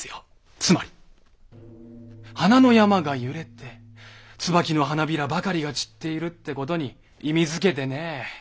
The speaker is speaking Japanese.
つまり華の山が揺れて椿の花びらばかりが散っているって事に意味づけてね。